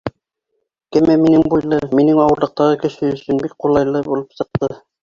Кәмә минең буйлы, минең ауырлыҡтағы кеше өсөн бик ҡулайлы булып сыҡты.